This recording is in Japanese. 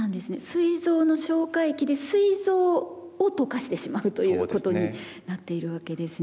すい臓の消化液ですい臓を溶かしてしまうということになっているわけですね。